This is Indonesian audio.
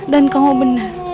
dan kamu bener